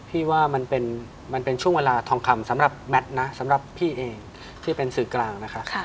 พี่ว่ามันเป็นช่วงเวลาทองคำสำหรับแมทนะสำหรับพี่เองที่เป็นสื่อกลางนะคะ